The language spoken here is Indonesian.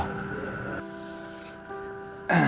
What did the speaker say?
kamu itu harusnya